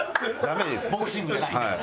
ボクシングじゃないんだから。